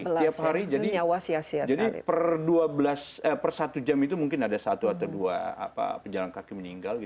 tiap hari jadi per satu jam itu mungkin ada satu atau dua penjalan kaki meninggal